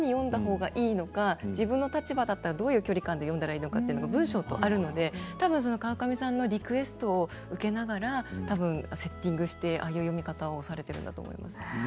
自分の立場だったらどういう距離感で読んだらいいのかってたぶん川上さんのリクエストを受けながらセッティングしてああいう読み方をされているんだと思います。